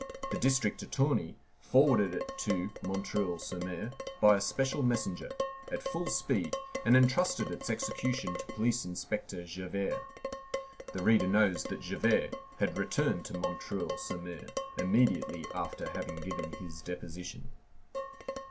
The district attorney forwarded it to M. sur M. by a special messenger, at full speed, and entrusted its execution to Police Inspector Javert. The reader knows that Javert had returned to M. sur M. immediately after having given his deposition.